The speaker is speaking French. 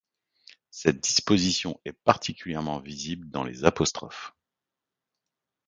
Cette disposition est particulièrement visible dans les '.